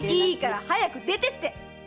いいから早く出てって！